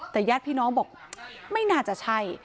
แต่ญาติพี่น้องบอกไม่น่าจะใช่